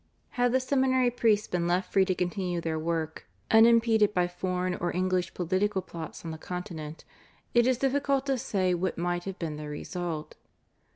Had the seminary priests been left free to continue their work, unimpeded by foreign or English political plots on the Continent, it is difficult to say what might have been the result.